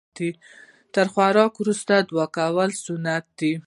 تر خوراک وروسته دعا کول سنت ده